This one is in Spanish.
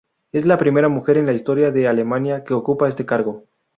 Es la primera mujer en la historia de Alemania que ocupa este cargo.